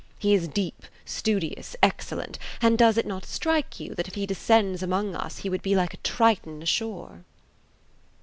He is deep, studious, excellent; and does it not strike you that if he descended among us he would be like a Triton ashore?"